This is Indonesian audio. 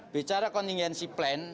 bicara kontingensi plan